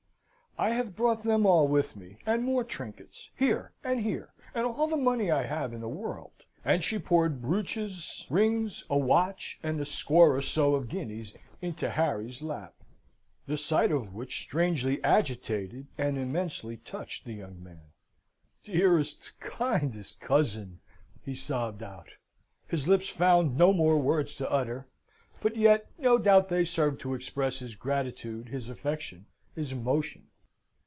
I have brought them all with me, and more trinkets here! and here! and all the money I have in the world!" And she poured brooches, rings, a watch, and a score or so of guineas into Harry's lap. The sight of which strangely agitated and immensely touched the young man. "Dearest, kindest cousin!" he sobbed out. His lips found no more words to utter, but yet, no doubt they served to express his gratitude, his affection, his emotion.